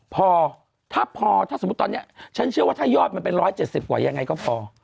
พอถ้าพอถ้าสมมุติตอนนี้ฉันเชื่อว่าถ้ายอดมันเป็น๑๗๐กว่ายังไงก็พอ